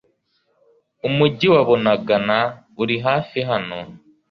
umujyi wa Bunagana uri hafi hano